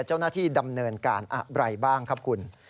เจ้าหน้าที่ดำเนินการอะไรบ้างครับคุณ